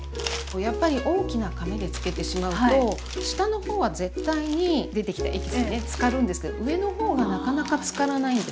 やっぱり大きなかめで漬けてしまうと下のほうは絶対に出てきたエキスねつかるんですけど上のほうはなかなかつからないんですよね。